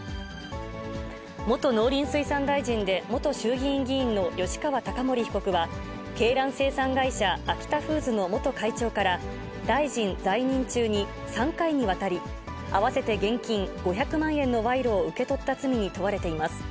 元農林水産大臣で、元衆議院議員の吉川貴盛被告は、鶏卵生産会社、アキタフーズの元会長から、大臣在任中に、３回にわたり、合わせて現金５００万円の賄賂を受け取った罪に問われています。